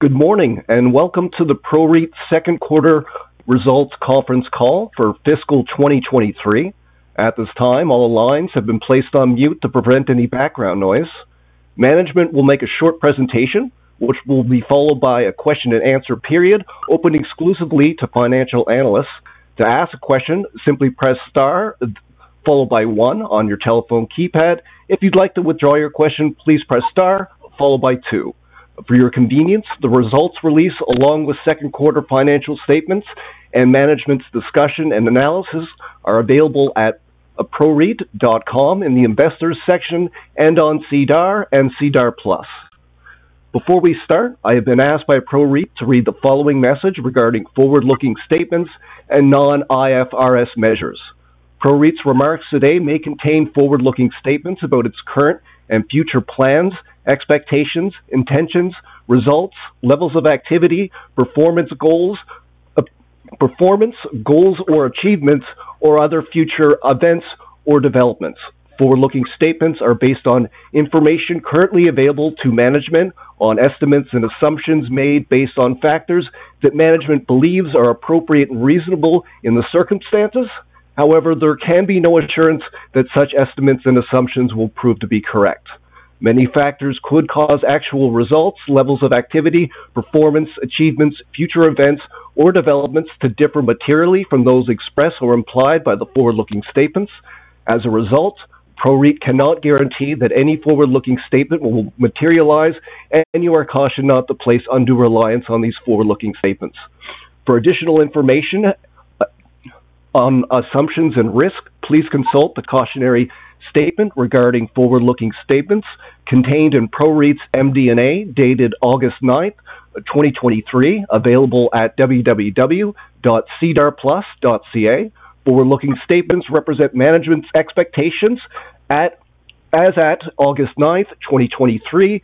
Good morning, welcome to the PROREIT Second Quarter Results Conference Call for Fiscal 2023. At this time, all lines have been placed on mute to prevent any background noise. Management will make a short presentation, which will be followed by a question-and-answer period, open exclusively to financial analysts. To ask a question, simply press star, followed by one on your telephone keypad. If you'd like to withdraw your question, please press star, followed by two. For your convenience, the results release, along with second quarter financial statements and Management's Discussion and Analysis, are available at proreit.com in the investors section and on SEDAR and SEDAR+. Before we start, I have been asked by PROREIT to read the following message regarding forward-looking statements and non-IFRS measures. PROREIT's remarks today may contain forward-looking statements about its current and future plans, expectations, intentions, results, levels of activity, performance goals, performance, goals or achievements, or other future events or developments. Forward-looking statements are based on information currently available to management on estimates and assumptions made based on factors that management believes are appropriate and reasonable in the circumstances. However, there can be no assurance that such estimates and assumptions will prove to be correct. Many factors could cause actual results, levels of activity, performance, achievements, future events or developments to differ materially from those expressed or implied by the forward-looking statements. As a result, PROREIT cannot guarantee that any forward-looking statement will materialize, and you are cautioned not to place undue reliance on these forward-looking statements. For additional information, on assumptions and risk, please consult the cautionary statement regarding forward-looking statements contained in PROREIT's MD&A, dated August 9th, 2023, available at www.sedarplus.ca. Forward-looking statements represent management's expectations as at August 9th, 2023,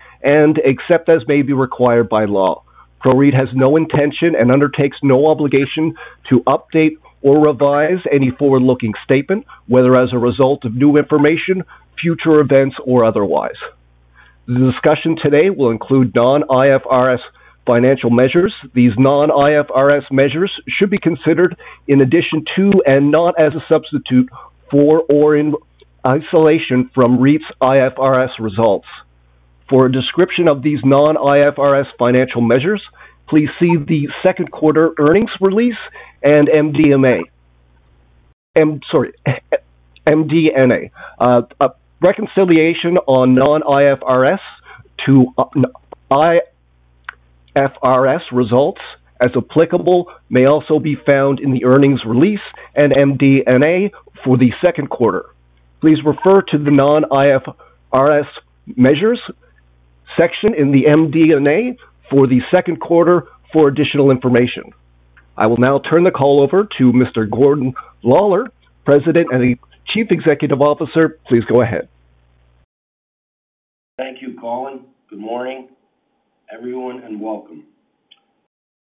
except as may be required by law. PROREIT has no intention and undertakes no obligation to update or revise any forward-looking statement, whether as a result of new information, future events, or otherwise. The discussion today will include non-IFRS financial measures. These non-IFRS measures should be considered in addition to and not as a substitute for or in isolation from REIT's IFRS results. For a description of these non-IFRS financial measures, please see the second quarter earnings release and MD&A. Sorry, MD&A. Reconciliation on non-IFRS to IFRS results, as applicable, may also be found in the earnings release and MD&A for the second quarter. Please refer to the non-IFRS measures section in the MD&A for the second quarter for additional information. I will now turn the call over to Mr. Gordon Lawlor, President and Chief Executive Officer. Please go ahead. Thank you, Colin. Good morning, everyone, welcome.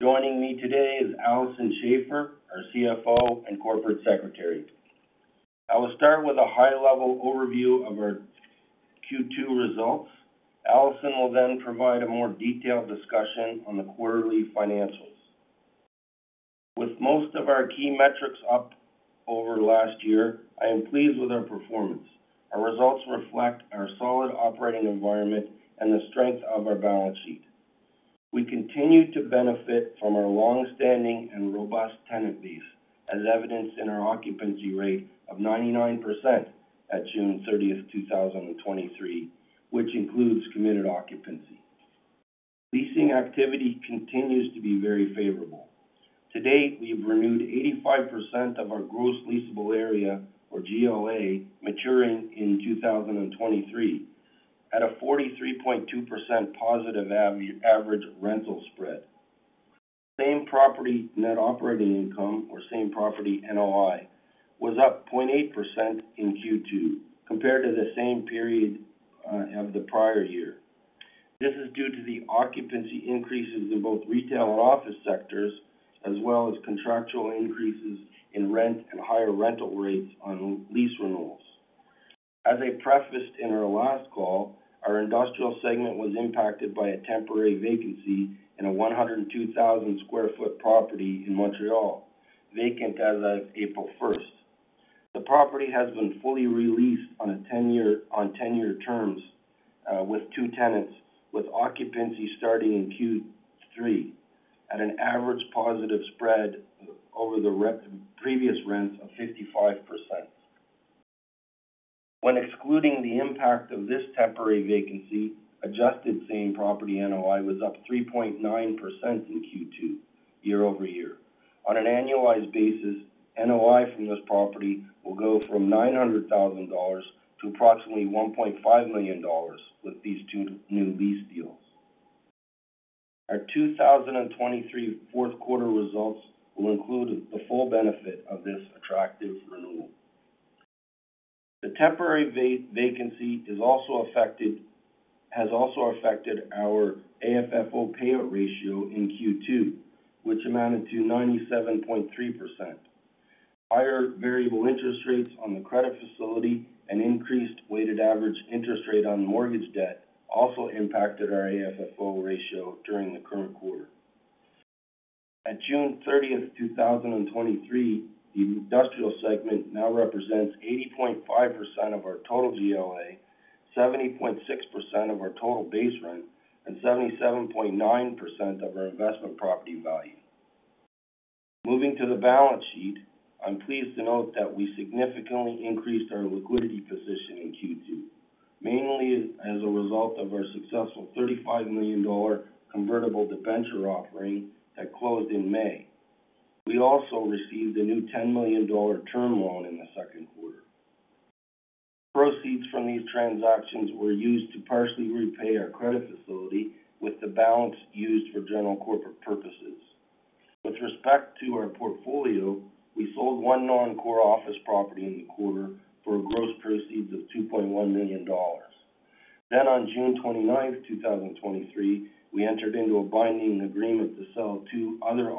Joining me today is Alison Schafer, our CFO and Corporate Secretary. I will start with a high-level overview of our Q2 results. Alison will provide a more detailed discussion on the quarterly financials. With most of our key metrics up over last year, I am pleased with our performance. Our results reflect our solid operating environment and the strength of our balance sheet. We continue to benefit from our long-standing and robust tenant base, as evidenced in our occupancy rate of 99% at June 30th, 2023, which includes committed occupancy. Leasing activity continues to be very favorable. To date, we've renewed 85% of our gross leasable area, or GLA, maturing in 2023 at a 43.2% positive average rental spread. Same-property net operating income, or same-property NOI, was up 0.8% in Q2 compared to the same period of the prior year. This is due to the occupancy increases in both retail and office sectors, as well as contractual increases in rent and higher rental rates on lease renewals. As I prefaced in our last call, our industrial segment was impacted by a temporary vacancy in a 102,000 sq ft property in Montreal, vacant as of April 1st. The property has been fully re-leased on a 10-year, on 10-year terms, with two tenants, with occupancy starting in Q3 at an average positive spread over previous rents of 55%. When excluding the impact of this temporary vacancy, adjusted same-property NOI was up 3.9% in Q2, year-over-year. On an annualized basis, NOI from this property will go from 900,000 dollars to approximately 1.5 million dollars with these two new lease deals. Our 2023 fourth quarter results will include the full benefit of this attractive renewal. The temporary vacancy has also affected our AFFO payout ratio in Q2, which amounted to 97.3%. Higher variable interest rates on the credit facility and increased weighted average interest rate on mortgage debt also impacted our AFFO ratio during the current quarter. At June 30, 2023, the industrial segment now represents 80.5% of our total GLA, 70.6% of our total base rent, and 77.9% of our investment property value. Moving to the balance sheet, I'm pleased to note that we significantly increased our liquidity position in Q2, mainly as a result of our successful 35 million dollar convertible debenture offering that closed in May. We also received a new 10 million dollar term loan in the second quarter. Proceeds from these transactions were used to partially repay our credit facility, with the balance used for general corporate purposes. With respect to our portfolio, we sold one non-core office property in the quarter for a gross proceeds of 2.1 million dollars. On June 29th, 2023, we entered into a binding agreement to sell two other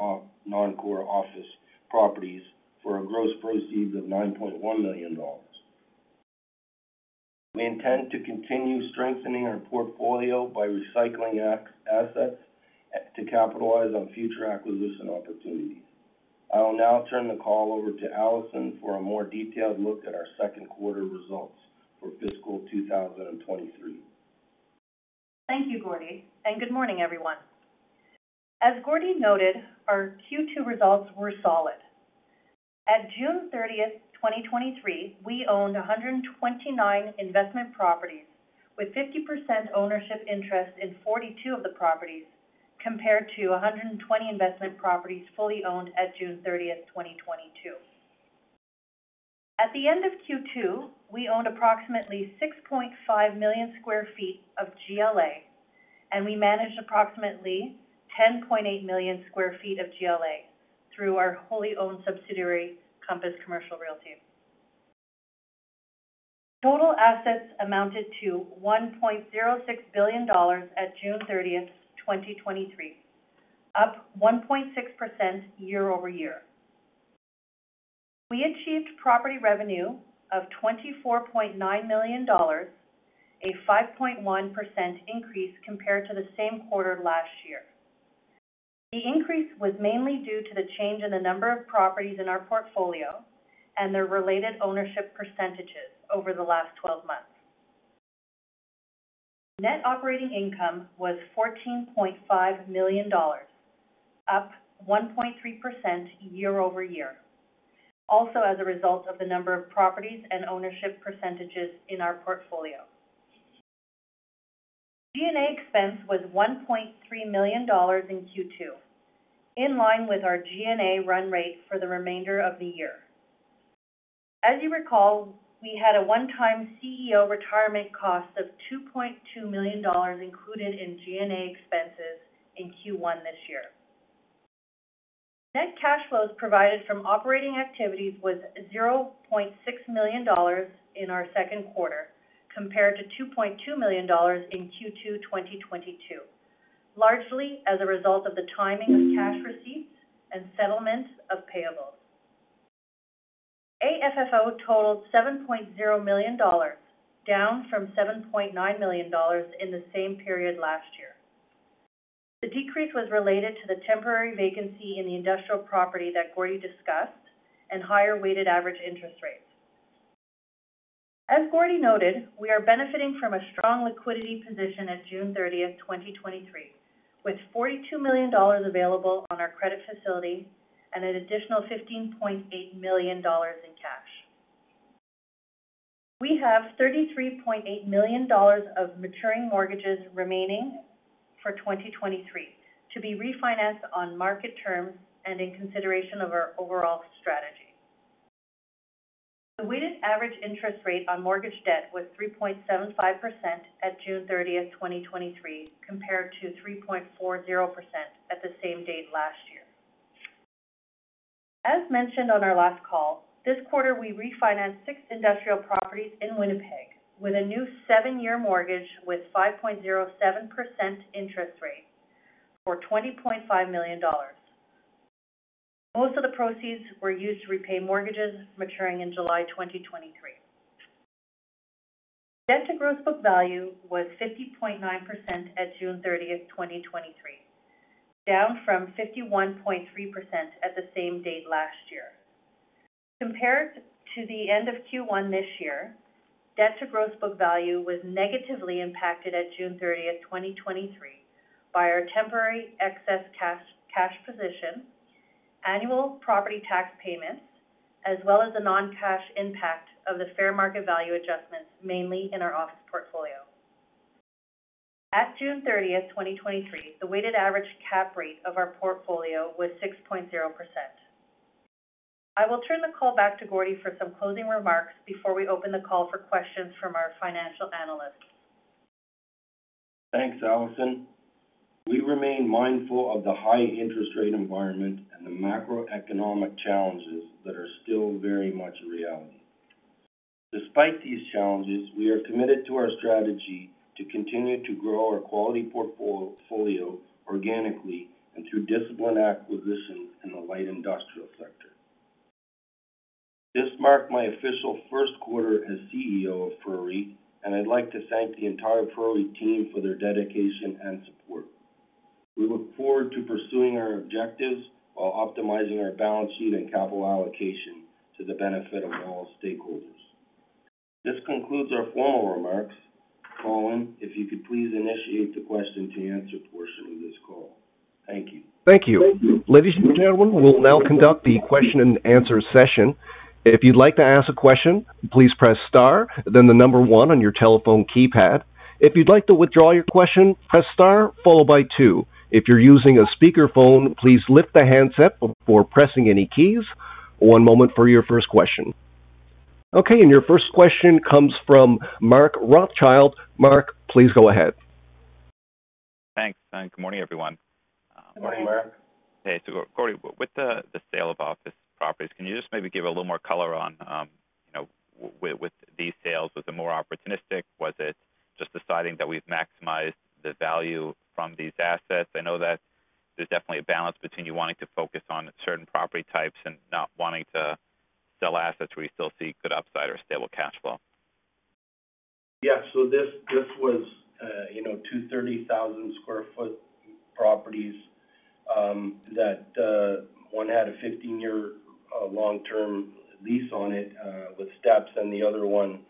non-core office properties for a gross proceeds of 9.1 million dollars. We intend to continue strengthening our portfolio by recycling assets to capitalize on future acquisition opportunities. I will now turn the call over to Alison for a more detailed look at our second quarter results for fiscal 2023. Thank you, Gordy. Good morning, everyone. As Gordy noted, our Q2 results were solid. At June 30, 2023, we owned 129 investment properties with 50% ownership interest in 42 of the properties, compared to 120 investment properties fully owned at June 30th, 2022. At the end of Q2, we owned approximately 6.5 million sq ft of GLA, and we managed approximately 10.8 million sq ft of GLA through our wholly owned subsidiary, Compass Commercial Realty. Total assets amounted to 1.06 billion dollars at June 30, 2023, up 1.6% year-over-year. We achieved property revenue of 24.9 million dollars, a 5.1% increase compared to the same quarter last year. The increase was mainly due to the change in the number of properties in our portfolio and their related ownership percentages over the last 12 months. Net operating income was 14.5 million dollars, up 1.3% year-over-year, also as a result of the number of properties and ownership percentages in our portfolio. G&A expense was 1.3 million dollars in Q2, in line with our G&A run rate for the remainder of the year. As you recall, we had a one-time CEO retirement cost of 2.2 million dollars included in G&A expenses in Q1 this year. Net cash flows provided from operating activities was 0.6 million dollars in our second quarter, compared to 2.2 million dollars in Q2, 2022, largely as a result of the timing of cash receipts and settlements of payables. AFFO totaled 7.0 million dollars, down from 7.9 million dollars in the same period last year. The decrease was related to the temporary vacancy in the industrial property that Gordy discussed and higher weighted average interest rates. As Gordy noted, we are benefiting from a strong liquidity position at June 30th, 2023, with 42 million dollars available on our credit facility and an additional 15.8 million dollars in cash. We have 33.8 million dollars of maturing mortgages remaining for 2023, to be refinanced on market terms and in consideration of our overall strategy. The weighted average interest rate on mortgage debt was 3.75% at June 30th, 2023, compared to 3.40% at the same date last year. As mentioned on our last call, this quarter we refinanced six industrial properties in Winnipeg with a new seven-year mortgage with 5.07% interest rate for 20.5 million dollars. Most of the proceeds were used to repay mortgages maturing in July 2023. debt to gross book value was 50.9% at June 30, 2023, down from 51.3% at the same date last year. Compared to the end of Q1 this year, debt to gross book value was negatively impacted at June 30th, 2023, by our temporary excess cash, cash position, annual property tax payments, as well as the non-cash impact of the fair market value adjustments, mainly in our office portfolio. At June 30th, 2023, the weighted average cap rate of our portfolio was 6.0%. I will turn the call back to Gordy for some closing remarks before we open the call for questions from our financial analysts. Thanks, Alison. We remain mindful of the high interest rate environment and the macroeconomic challenges that are still very much a reality.... Despite these challenges, we are committed to our strategy to continue to grow our quality portfolio organically and through disciplined acquisitions in the light industrial sector. This marked my official first quarter as CEO of PROREIT, and I'd like to thank the entire PROREIT team for their dedication and support. We look forward to pursuing our objectives while optimizing our balance sheet and capital allocation to the benefit of all stakeholders. This concludes our formal remarks. Colin, if you could please initiate the question-and-answer portion of this call. Thank you. Thank you. Ladies and gentlemen, we'll now conduct the question-and-answer session. If you'd like to ask a question, please press star, then the number one on your telephone keypad. If you'd like to withdraw your question, press star followed by two. If you're using a speakerphone, please lift the handset before pressing any keys. One moment for your first question. Okay, your first question comes from Mark Rothschild. Mark, please go ahead. Thanks, and good morning, everyone. Good morning, Mark. Hey, so, Gordy, with the, the sale of office properties, can you just maybe give a little more color on, you know, with these sales, was it more opportunistic? Was it just deciding that we've maximized the value from these assets? I know that there's definitely a balance between you wanting to focus on certain property types and not wanting to sell assets where you still see good upside or stable cash flow. Yeah, this, this was, you know, 2 30,000 sq ft properties that one had a 15-year long-term lease on it with steps, and the other one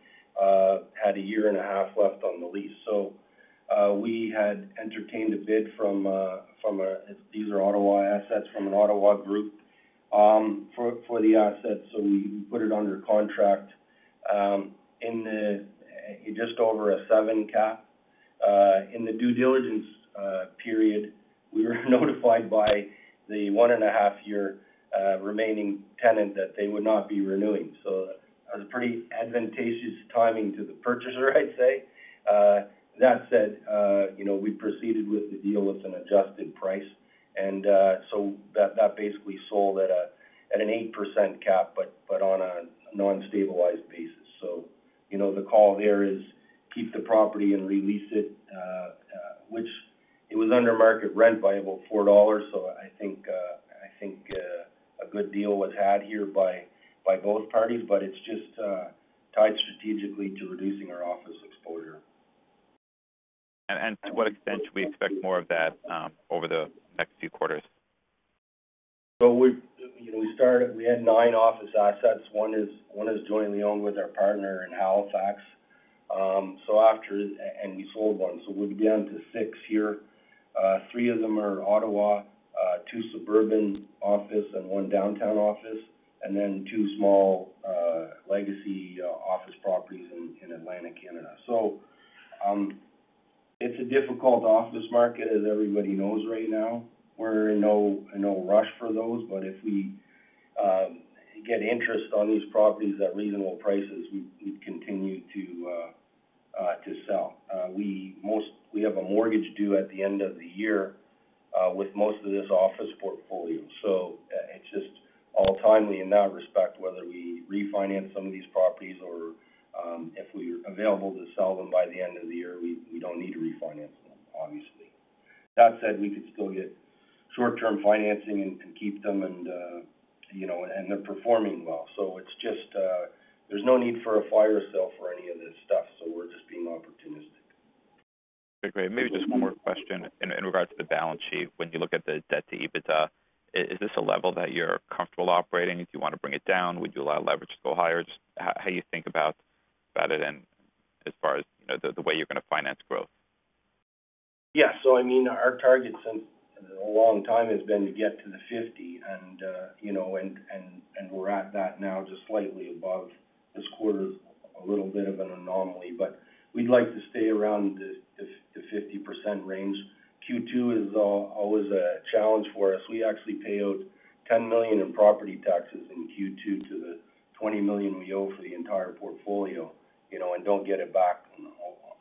had 1.5 years left on the lease. We had entertained a bid from a, these are Ottawa assets, from an Ottawa group for the assets. We put it under contract in the just over a seven cap. In the due diligence period, we were notified by the 1.5-year remaining tenant that they would not be renewing. That was pretty advantageous timing to the purchaser, I'd say. That said, you know, we proceeded with the deal with an adjusted price, and so that basically sold at an 8% cap, but on a non-stabilized basis. You know, the call there is keep the property and re-lease it, which it was under market rent by about 4 dollars. I think, I think, a good deal was had here by, by both parties, but it's just, tied strategically to reducing our office exposure. And to what extent should we expect more of that over the next few quarters? We've, you know, we started. We had nine office assets. One is, one is jointly owned with our partner in Halifax. After, and we sold one, so we'll be down to six here. Three of them are Ottawa, two suburban office and one downtown office, and then two small, legacy, office properties in Atlantic Canada. It's a difficult office market, as everybody knows right now. We're in no, in no rush for those, but if we get interest on these properties at reasonable prices, we, we'd continue to sell. We most-- we have a mortgage due at the end of the year with most of this office portfolio. it's just all timely in that respect, whether we refinance some of these properties or, if we're available to sell them by the end of the year, we, we don't need to refinance them, obviously. That said, we could still get short-term financing and, and keep them, and, you know, and they're performing well. it's just, there's no need for a fire sale for any of this stuff, so we're just being opportunistic. Okay, great. Maybe just one more question in, in regards to the balance sheet. When you look at the debt to EBITDA, is this a level that you're comfortable operating? Do you want to bring it down? Would you allow leverage to go higher? Just how, how you think about that and as far as, you know, the, the way you're going to finance growth? Yeah. I mean, our target since a long time has been to get to the 50%. you know, and we're at that now, just slightly above. This quarter is a little bit of an anomaly, but we'd like to stay around the 50% range. Q2 is always a challenge for us. We actually pay out 10 million in property taxes in Q2 to the 20 million we owe for the entire portfolio, you know, and don't get it back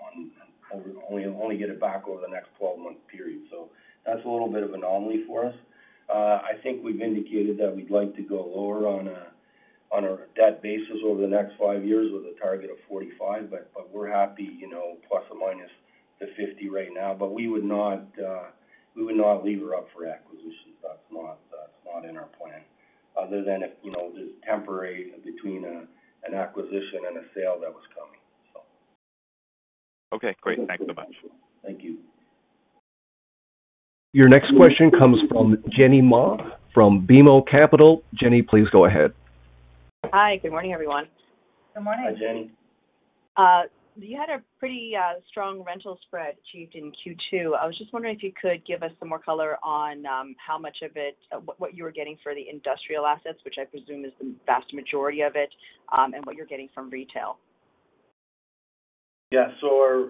on over. We only get it back over the next 12-month period. That's a little bit of anomaly for us. I think we've indicated that we'd like to go lower on a debt basis over the next five years with a target of 45%, but we're happy, you know, plus or minus the 50% right now. we would not, we would not lever up for acquisitions. That's not, that's not in our plan, other than if, you know, just temporary between an acquisition and a sale that was coming. Okay, great. Thanks so much. Thank you. Your next question comes from Jenny Ma from BMO Capital. Jenny, please go ahead. Hi, good morning, everyone. Good morning. Hi, Jenny. You had a pretty strong rental spread achieved in Q2. I was just wondering if you could give us some more color on how much of it, what, what you were getting for the industrial assets, which I presume is the vast majority of it, and what you're getting from retail? Yeah. Our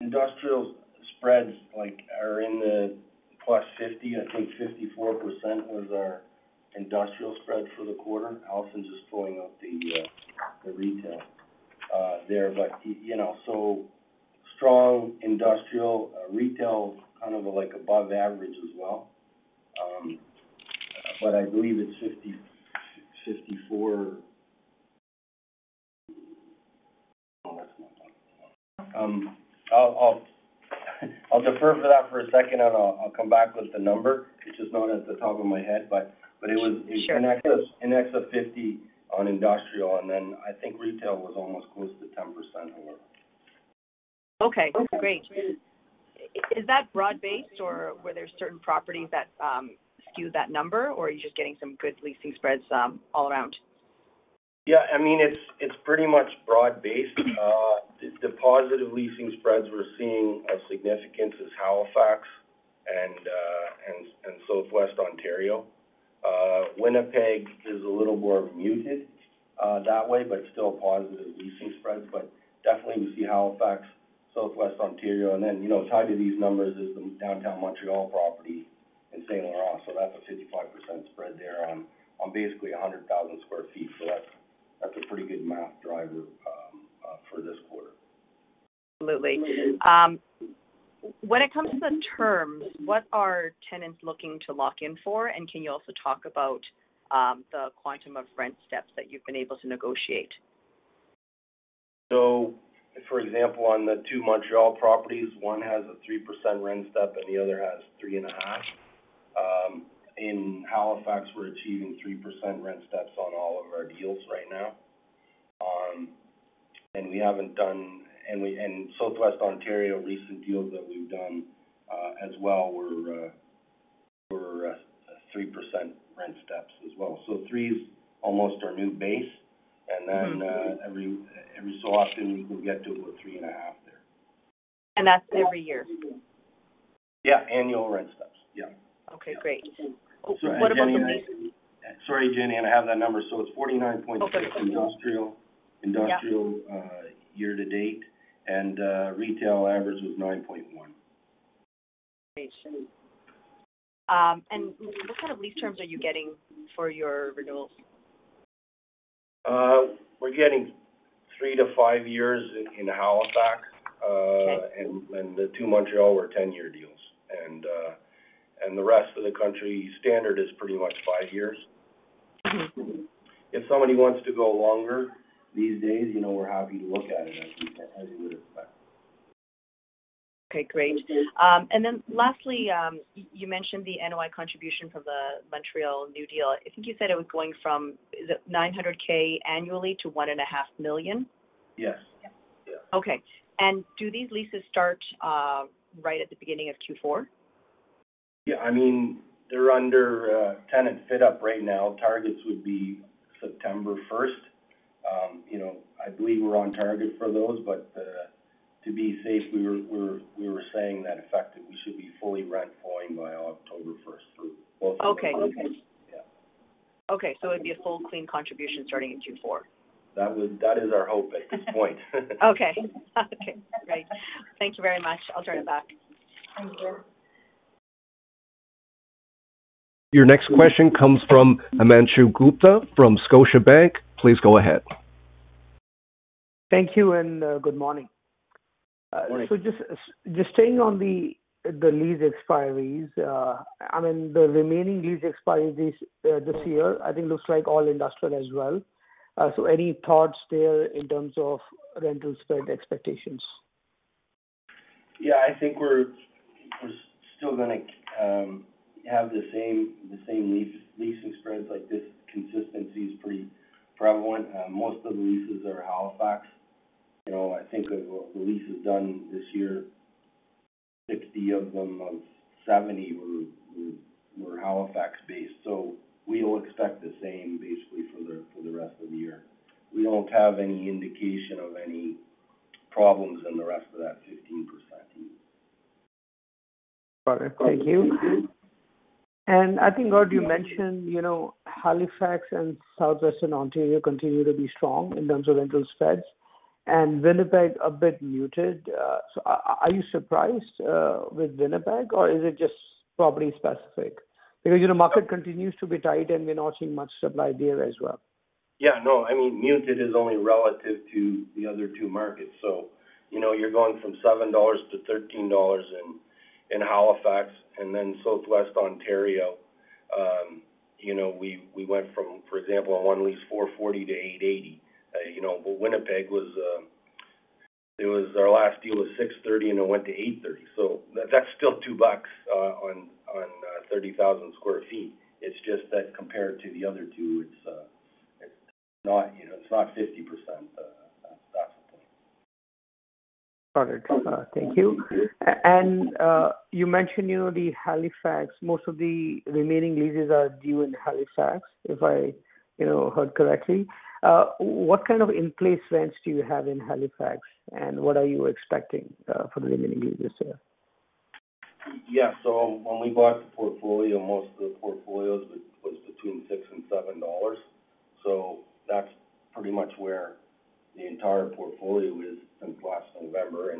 industrial spreads like are in the +50. I think 54% was our industrial spread for the quarter. Alison's just pulling up the retail there, but you know, strong industrial, retail, kind of like above average as well. I believe it's 50, 54%. I'll, I'll, I'll defer for that for a second, and I'll, I'll come back with the number. It's just not at the top of my head. But it was. Sure. An excess, an excess of 50 on industrial. Then I think retail was almost close to 10% over. Okay, great. Is that broad-based, or were there certain properties that skew that number, or are you just getting some good leasing spreads all around? Yeah, I mean, it's, it's pretty much broad-based. The positive leasing spreads we're seeing of significance is Halifax and Southwest Ontario. Winnipeg is a little more muted that way, but still positive leasing spreads. Definitely, we see Halifax, Southwest Ontario, and then, you know, tied to these numbers is the downtown Montreal property in Saint Laurent. That's a 55% spread there on, on basically 100,000 sq ft. That's, that's a pretty good math driver for this quarter. Absolutely. When it comes to the terms, what are tenants looking to lock in for? Can you also talk about the quantum of rent steps that you've been able to negotiate? For example, on the two Montreal properties, one has a 3% rent step, and the other has 3.5%. In Halifax, we're achieving 3% rent steps on all of our deals right now. In Southwest Ontario, recent deals that we've done as well were 3% rent steps as well. Three is almost our new base. Mm-hmm. Then, every, every so often, we will get to about 3.5 there. That's every year? Yeah, annual rent steps. Yeah. Okay, great. Jenny. What about? Sorry, Jenny, I have that number. It's 49.6- Okay, cool. -industrial. Yeah. Industrial, year-to-date, and, retail average was 9.1%. Great. What kind of lease terms are you getting for your renewals? We're getting 3-5 years in, in Halifax. Okay. The two Montreal were 10-year deals, the rest of the country, standard is pretty much five years. Mm-hmm. If somebody wants to go longer these days, you know, we're happy to look at it, as you can, as you would expect. Okay, great. Then lastly, you mentioned the NOI contribution from the Montreal New Deal. I think you said it was going from, is it 900,000 annually to 1.5 million? Yes. Yeah. Okay. Do these leases start right at the beginning of Q4? Yeah. I mean, they're under tenant fit-up right now. Targets would be September first. You know, I believe we're on target for those, but to be safe, we were saying that effective, we should be fully rent flowing by October first through. Okay. Okay. Yeah. Okay, it'd be a full clean contribution starting in Q4. That is our hope at this point. Okay. Okay, great. Thank you very much. I'll turn it back. Thank you. Your next question comes from Himanshu Gupta from Scotiabank. Please go ahead. Thank you, and good morning. Good morning. Just, just staying on the, the lease expiries, I mean, the remaining lease expiries, this year, I think looks like all industrial as well. Any thoughts there in terms of rental spread expectations? Yeah, I think we're, we're still gonna have the same, the same lease, leasing spreads. Like, this consistency is pretty prevalent. Most of the leases are Halifax. You know, I think of the leases done this year, 60 of them, of 70 were, were, were Halifax based. We will expect the same basically for the, for the rest of the year. We don't have any indication of any problems in the rest of that 15%. Got it. Thank you. I think earlier you mentioned, you know, Halifax and Southwestern Ontario continue to be strong in terms of rental spreads and Winnipeg, a bit muted. Are you surprised with Winnipeg, or is it just property specific? Because, you know, market continues to be tight, and we're not seeing much supply there as well. Yeah, no, I mean, muted is only relative to the other two markets. You know, you're going from 7-13 dollars in, in Halifax and then Southwest Ontario. You know, we, we went from, for example, on one lease, 4.40-8.80. You know, Winnipeg was, it was our last deal was 6.30, and it went to 8.30. That's still 2 bucks, on, on, 30,000 sq ft. It's just that compared to the other two, it's, it's not, you know, it's not 50%. That's the thing. Got it. Thank you. You mentioned, you know, the Halifax, most of the remaining leases are due in Halifax, if I, you know, heard correctly. What kind of in-place rents do you have in Halifax, and what are you expecting, for the remaining leases there? Yeah. When we bought the portfolio, most of the portfolios was between 6 and 7 dollars. That's pretty much where the entire portfolio was. November.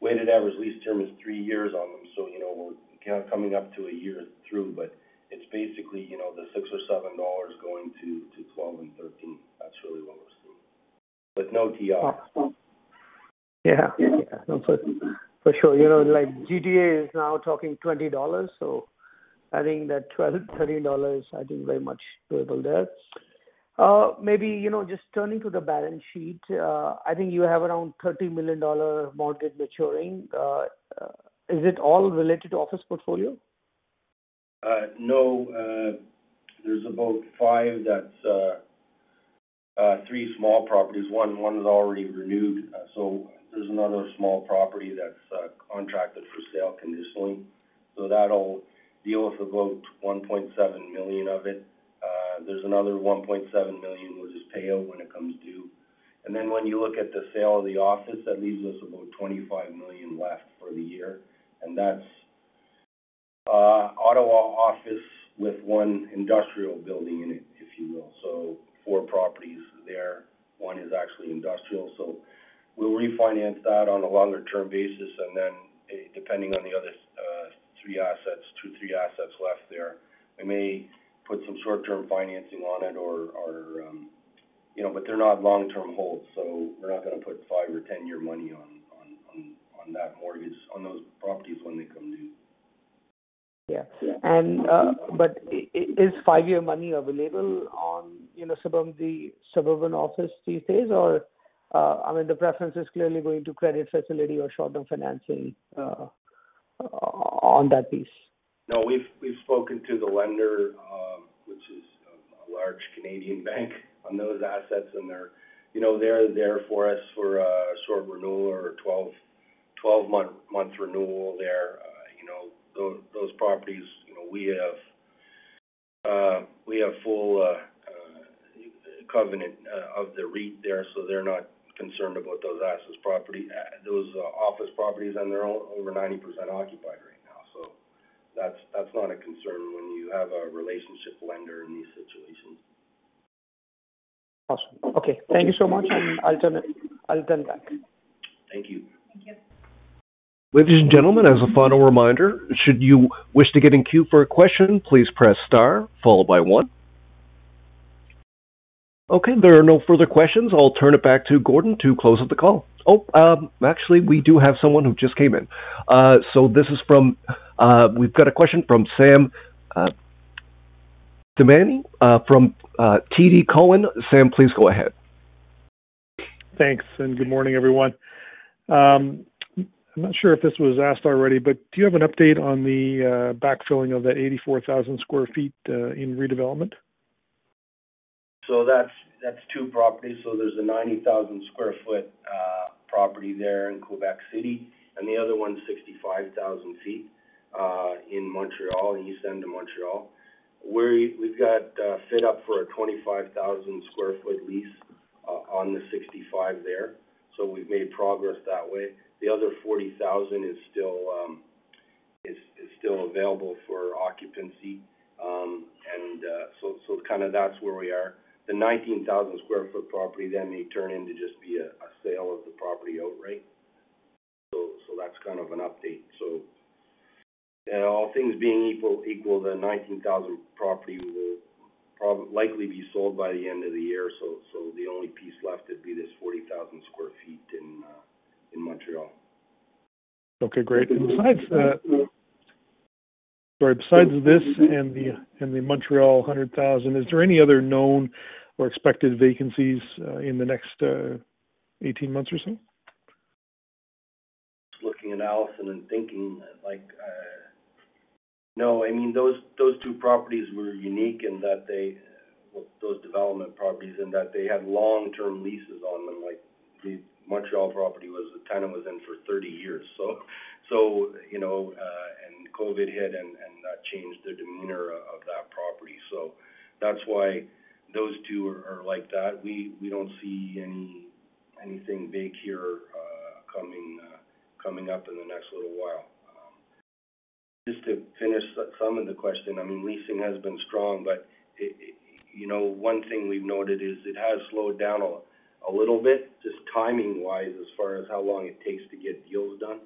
Weighted average lease term is 3 years on them. You know, we're kind of coming up to a year through, but it's basically, you know, the 6 or 7 dollars going to, to 12 and 13. That's really what we're seeing, but no TI. Yeah. Yeah, yeah. For sure. You know, like GTA is now talking 20 dollars, so I think that 12-13 dollars, I think, very much doable there. Maybe, you know, just turning to the balance sheet, I think you have around 30 million dollar mortgage maturing. Is it all related to office portfolio? No, there about five that's three small properties. One is already renewed, so there's another small property that's contracted for sale conditionally. So that'll deal with about $1.7 million of it. There's another $1.7 million, which is pay out when it comes due. When you look at the sale of the office, that leaves us about $25 million left for the year. That's Ottawa office with one industrial building in it, if you will. So four properties there, one is actually industrial. We'll refinance that on a longer-term basis, and then, depending on the other, three assets, two, three assets left there, we may put some short-term financing on it or, or, you know, but they're not long-term holds, so we're not gonna put five- or 10-year money on, on, on, on that mortgage, on those properties when they come due. Yeah. But is five-year money available on, you know, the suburban office these days? I mean, the preference is clearly going to credit facility or short-term financing on that piece. No, we've spoken to the lender, which is a large Canadian bank, on those assets, and they're, you know, they're there for us for a short renewal or a 12, 12-month renewal there. You know, those properties, you know, we have full covenant of the REIT there, so they're not concerned about those assets property, those office properties, and they're all over 90% occupied right now. That's not a concern when you have a relationship lender in these situations. Awesome. Okay, thank you so much, and I'll turn it, I'll turn back. Thank you. Thank you. Ladies and gentlemen, as a final reminder, should you wish to get in queue for a question, please press star followed by one. Okay, there are no further questions. I'll turn it back to Gordon to close out the call. Oh, actually, we do have someone who just came in. This is from, we've got a question from Sam Damiani, from TD Cowen. Sam, please go ahead. Thanks. Good morning, everyone. I'm not sure if this was asked already, but do you have an update on the backfilling of the 84,000 sq ft in redevelopment? That's, that's two properties. There's a 90,000 sq ft property there in Quebec City, and the other one is 65,000 sq ft in Montreal, the east end of Montreal. We've got fit up for a 25,000 sq ft lease on the 65 there, so we've made progress that way. The other 40,000 is still, is still available for occupancy. Kind of that's where we are. The 19,000 sq ft property may turn in to just be a, a sale of the property outright. That's kind of an update. All things being equal, equal, the 19,000 property will likely be sold by the end of the year. The only piece left would be this 40,000 sq ft in Montreal. Okay, great. Besides, Sorry, besides this and the, and the Montreal 100,000, is there any other known or expected vacancies, in the next 18 months or so? Looking at Alison and thinking, like, No, I mean, those, those two properties were unique in that they, those development properties, in that they had long-term leases on them. Like, the Montreal property was, the tenant was in for 30 years. You know, and COVID hit and, and that changed the demeanor of that property. That's why those two are, are like that. We, we don't see anything big here, coming, coming up in the next little while. Just to finish the, some of the question, I mean, leasing has been strong, but it, you know, one thing we've noted is it has slowed down a, a little bit, just timing-wise, as far as how long it takes to get deals done.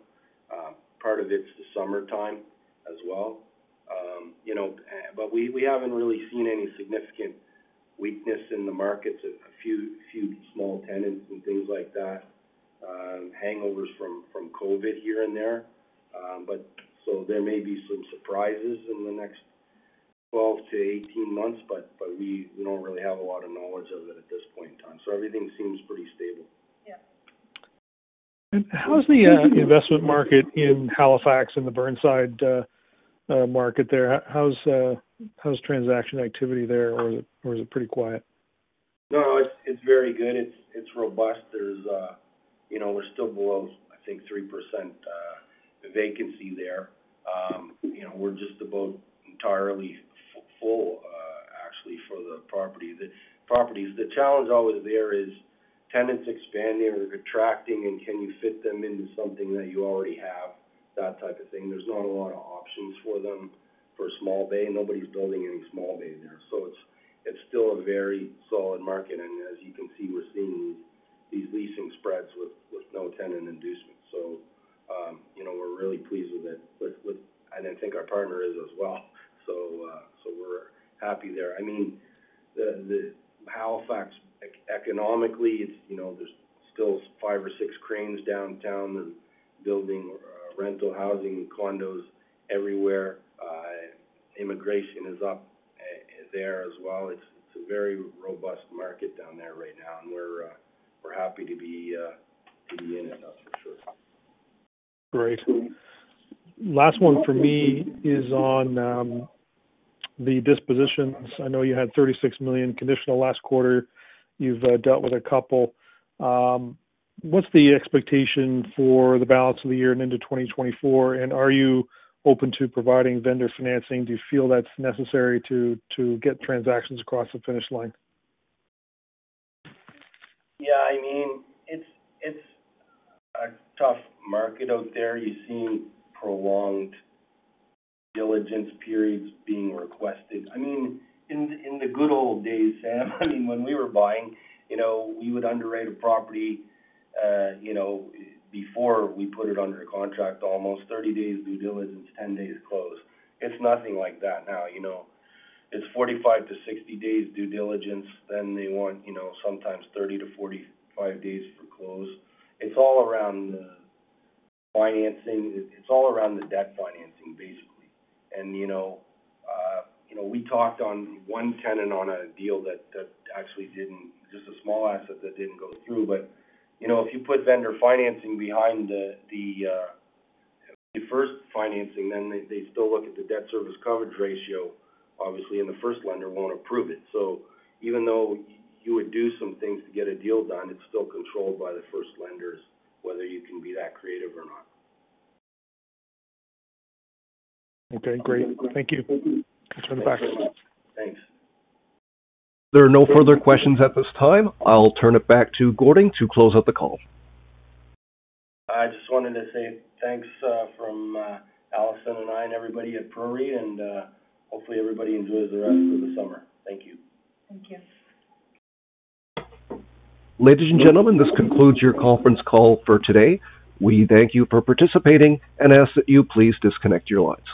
Part of it's the summertime as well. you know, we, we haven't really seen any significant weakness in the markets. A few, few small tenants and things like that, hangovers from, from COVID here and there. There may be some surprises in the next 12-18 months, but we don't really have a lot of knowledge of it at this point in time, everything seems pretty stable. Yeah. How's the investment market in Halifax and the Burnside market there? How's transaction activity there, or is it, or is it pretty quiet? No, it's, it's very good. It's, it's robust. There's, you know, we're still below, I think, 3% vacancy there. You know, we're just about entirely full, actually, for the property, the properties. The challenge always there is tenants expanding or retracting, and can you fit something that you already have, that type of thing. There's not a lot of options for them. For a small bay, nobody's building any small bay there. It's still a very solid market, and as you can see, we're seeing these leasing spreads with, with no tenant inducement. You know, we're really pleased with it, with, and I think our partner is as well. We're happy there. I mean, the, the Halifax economically, it's, you know, there's still five or six cranes downtown and building rental housing, condos everywhere. Immigration is up, there as well. It's, it's a very robust market down there right now, and we're happy to be, to be in it, that's for sure. Great. Last one for me is on the dispositions. I know you had 36 million conditional last quarter. You've dealt with a couple. What's the expectation for the balance of the year and into 2024? Are you open to providing vendor financing? Do you feel that's necessary to, to get transactions across the finish line? Yeah, I mean, it's, it's a tough market out there. You're seeing prolonged diligence periods being requested. I mean, in the, in the good old days, Sam, I mean, when we were buying, you know, we would underwrite a property, you know, before we put it under a contract, almost 30 days due diligence, 10 days close. It's nothing like that now, you know? It's 45-60 days due diligence, then they want, you know, sometimes 30-45 days for close. It's all around the financing. It's all around the debt financing, basically. You know, you know, we talked on one tenant on a deal that, that actually didn't. Just a small asset that didn't go through. You know, if you put vendor financing behind the, the, the first financing, then they, they still look at the debt service coverage ratio, obviously, and the first lender won't approve it. Even though you would do some things to get a deal done, it's still controlled by the first lenders, whether you can be that creative or not. Okay, great. Thank you. I turn it back. Thanks. There are no further questions at this time. I'll turn it back to Gordon to close out the call. I just wanted to say thanks, from Alison and I, and everybody at PROREIT, and hopefully, everybody enjoys the rest of the summer. Thank you. Thank you. Ladies and gentlemen, this concludes your conference call for today. We thank you for participating and ask that you please disconnect your lines.